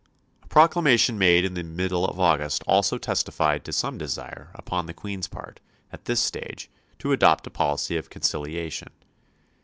A proclamation made in the middle of August also testified to some desire upon the Queen's part, at this stage, to adopt a policy of conciliation.